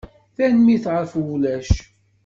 Tanemmirt ɣef wulac.